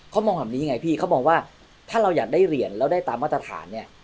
เขามองแบบนี้ไงพี่เขามองว่าถ้าเราอยากได้เหรียญแล้วได้ตามมาตรฐานเนี่ย